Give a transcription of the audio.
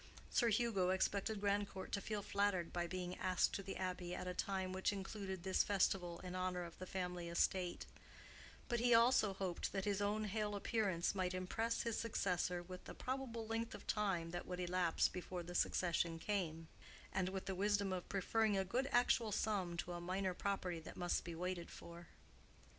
Sir Hugo expected Grandcourt to feel flattered by being asked to the Abbey at a time which included this festival in honor of the family estate; but he also hoped that his own hale appearance might impress his successor with the probable length of time that would elapse before the succession came, and with the wisdom of preferring a good actual sum to a minor property that must be waited for.